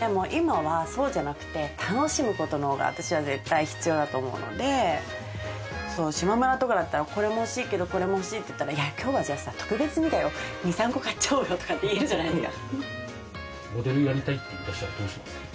でも今はそうじゃなくて、楽しむことの方が私は絶対必要だと思うので、しまむらとかだったら、これも欲しいけど、これも欲しいって言ったら、じゃあ今日は特別にだよ、２３個買っちゃおうよって言えるじゃないですか。